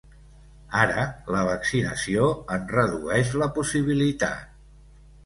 Ara, la vaccinació en redueix la possibilitat.